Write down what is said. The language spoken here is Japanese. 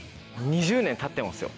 ２０年たってもですよ。